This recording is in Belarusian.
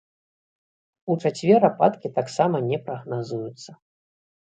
У чацвер ападкі таксама не прагназуюцца.